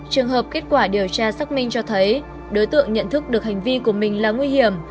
trường hợp kết quả điều tra xác minh cho thấy đối tượng nhận thức được hành vi của mình là nguy hiểm